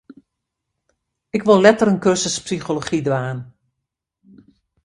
Ik wol letter in kursus psychology dwaan.